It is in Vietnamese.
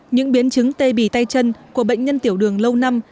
những biến chứng tê bì tay chân của bệnh nhân tiểu đường lâu năm